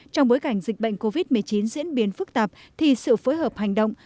trong bối cảnh dịch bệnh covid một mươi chín diễn biến phức tạp thì sự phối hợp hành động